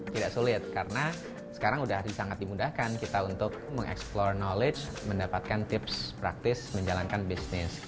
tidak sulit karena sekarang sudah sangat dimudahkan kita untuk mengeksplore knowledge mendapatkan tips praktis menjalankan bisnis